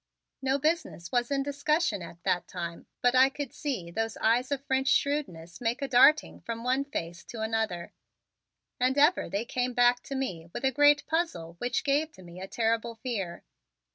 No business was in discussion at that time but I could see those eyes of French shrewdness make a darting from one face to another and ever they came back to me with a great puzzle which gave to me terrible fear.